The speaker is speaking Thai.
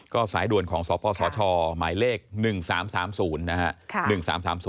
ก็สายด่วนของสปสชหมายเลข๑๓๓๐นะฮะ